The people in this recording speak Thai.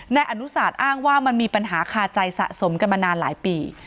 นายอนุสาตอ้างว่ามันมีปัญหาคาใจสะสมกันมานานหลายปี